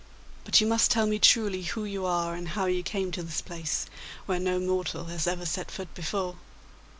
But you must tell me truly who you are and how you came to this place, where no mortal has ever set foot before.